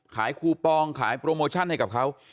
คูปองขายโปรโมชั่นให้กับเขา